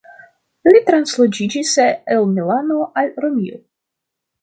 Li transloĝiĝis el Milano al Romio.